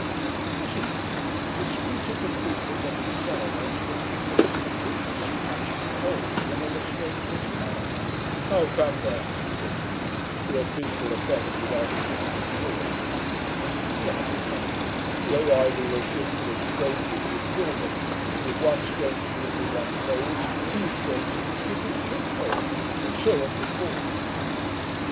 This evening he disputed the truth of what is said, as to the people of St Kilda catching cold whenever strangers come. 'How can there,' said he, 'be a physical effect without a physical cause?' He added, laughing, 'the arrival of a ship full of strangers would kill them; for, if one stranger gives them one cold, two strangers must give them two colds; and so in proportion.'